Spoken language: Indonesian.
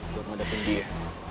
buat ngadepin dia